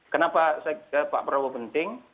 kenapa pak prabowo penting